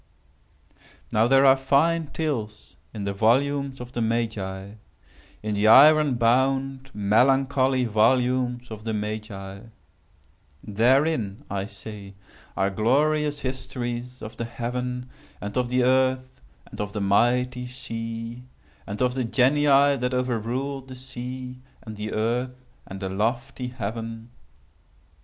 Now there are fine tales in the volumes of the Magi—in the iron bound, melancholy volumes of the Magi. Therein, I say, are glorious histories of the Heaven, and of the Earth, and of the mighty sea—and of the Genii that over ruled the sea, and the earth, and the lofty heaven.